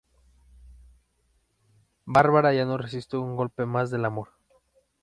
Bárbara ya no resiste un golpe más del amor.